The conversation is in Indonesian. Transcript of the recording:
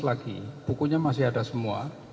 lagi bukunya masih ada semua